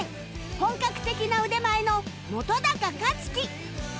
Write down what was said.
本格的な腕前の本克樹